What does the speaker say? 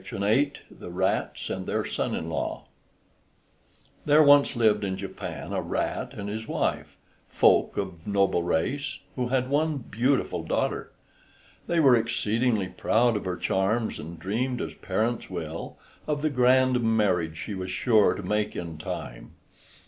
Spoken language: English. THE RATS AND THEIR SON IN LAW There once lived in Japan a rat and his wife, folk of noble race, who had one beautiful daughter. They were exceedingly proud of her charms, and dreamed, as parents will, of the grand marriage she was sure to make in time.